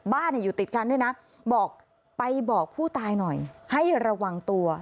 บ้านอยู่ติดกันด้วยนะบอกไปบอกผู้ตายหน่อยให้ระวังตัว